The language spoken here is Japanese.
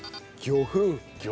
魚粉。